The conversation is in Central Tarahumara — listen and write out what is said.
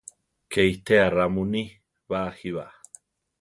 ¡Ké itéa ra muní ! baʼjí ba!